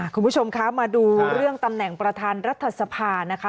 คุณผู้ชมคะมาดูเรื่องตำแหน่งประธานรัฐสภานะคะ